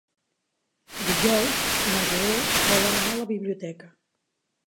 Dijous na Zoè vol anar a la biblioteca.